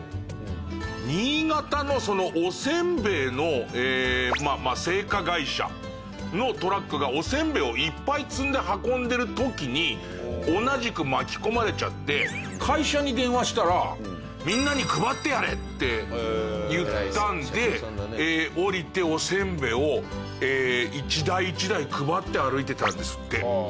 新潟のおせんべいの製菓会社のトラックがおせんべいをいっぱい積んで運んでる時に同じく巻き込まれちゃって会社に電話したら「みんなに配ってやれ」って言ったので降りておせんべいを一台一台配って歩いてたんですって。